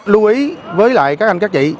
lưu ý với lại các anh các chị